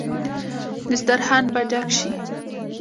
دسترخان به ډک شي.